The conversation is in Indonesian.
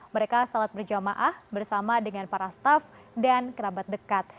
mereka salat berjamaah bersama dengan para staff dan kerabat dekat